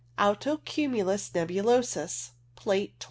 Alto cumulus nebulosus (Plate 26).